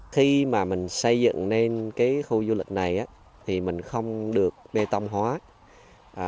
khi mà mình xây dựng nên cái khu du lịch này thì mình không được bê tông hóa